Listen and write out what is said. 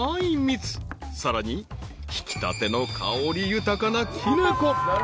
［さらにひきたての香り豊かなきな粉］